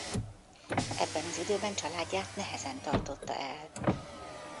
Ebben az időben családját nehezen tartotta el.